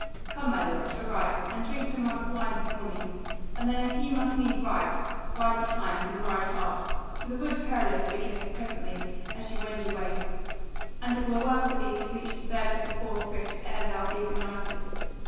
Come, my lord, arise, and drink the monk's wine of morning, and then if ye must need ride, ride betimes, and ride hard; for the Wood Perilous beginneth presently as ye wend your ways; and it were well for thee to reach the Burg of the Four Friths ere thou be benighted.